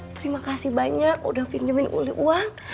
terima kasih banyak udah pinjemin uli uang